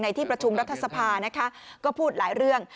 ที่ประชุมรัฐสภานะคะก็พูดหลายเรื่อง